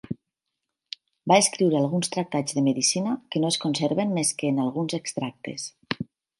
Va escriure alguns tractats de medicina que no es conserven més que en alguns extractes.